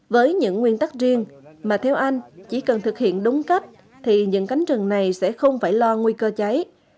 với những nguyên tắc riêng mà theo anh chỉ cần thực hiện đúng cách thì những cánh rừng này sẽ không phải lo nguy cơ cháy